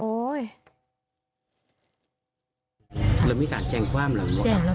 แล้วก็ไม่กลายแจงความหลอกนะ